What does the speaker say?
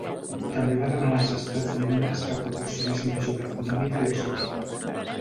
També va demanar als Estats membres que proporcionessin ajuda econòmica a Lesotho.